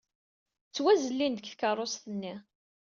Ttwazellin-d seg tkeṛṛust-nni.